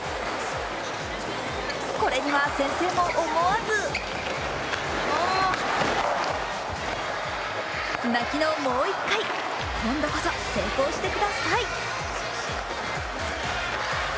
これには先生も思わず泣きのもう一回、今度こそ成功してください。